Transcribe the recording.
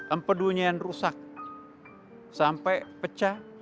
empedunya yang rusak sampai pecah